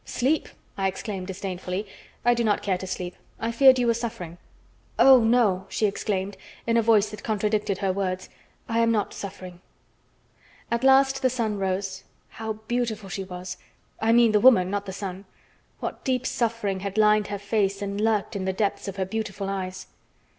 "Sleep!" I exclaimed disdainfully. "I do not care to sleep. I feared you were suffering." "Oh, no," she exclaimed, in a voice that contradicted her words, "I am not suffering." At last the sun rose. How beautiful she was! I mean the woman, not the sun. What deep suffering had lined her face and lurked in the depths of her beautiful eyes!